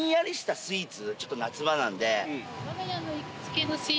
ちょっと夏場なんで。